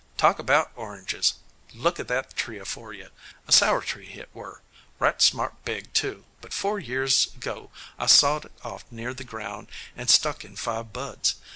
Talk about oranges! Look a' that tree afore you! A sour tree hit were right smart big, too but four year ago I sawed it off near the ground and stuck in five buds.